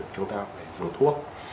chúng ta phải dùng thuốc